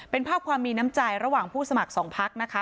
เป็นภาพความมีน้ำใจระหว่างผู้สมัครสองพักนะคะ